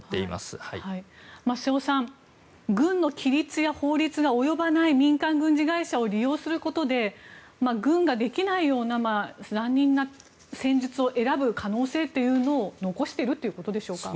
瀬尾さん軍の規律や法律が及ばない民間軍事会社を利用することで軍ができないような残忍な戦術を選ぶ可能性を残しているということでしょうか。